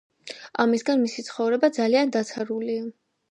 ამისგან მისი ცხოვრება ძალიან დაცარულია